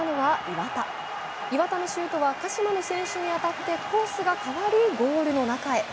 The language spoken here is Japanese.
岩田のシュートは鹿島の選手に当たってコースが変わり、ゴールの中へ。